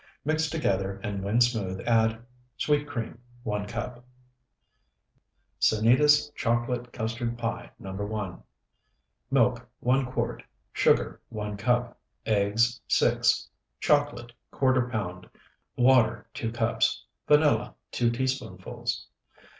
Mix together, and when smooth, add Sweet cream, 1 cup. SANITAS CHOCOLATE CUSTARD PIE NO. 1 Milk, 1 quart. Sugar, 1 cup. Eggs, 6. Chocolate, ¼ pound. Water, 2 cups. Vanilla, 2 teaspoonfuls.